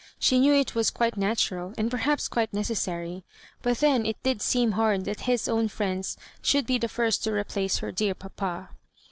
She knew it was quite natural, and perhaps quite necessary, but then it did seem hard that his own Mends should be the first to replace her dear papa.